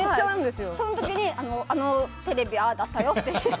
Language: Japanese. その時にあのテレビああだったよって。